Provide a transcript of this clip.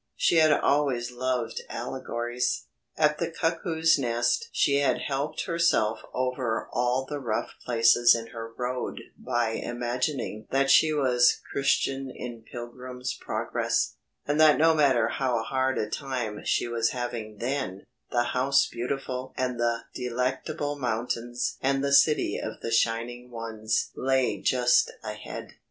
She had always loved allegories. At the Cuckoo's Nest she had helped herself over all the rough places in her road by imagining that she was Christian in "Pilgrim's Progress," and that no matter how hard a time she was having then, the House Beautiful and the Delectable Mountains and the City of the Shining Ones lay just ahead.